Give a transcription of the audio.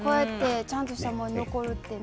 ちゃんとしたもの残るってね。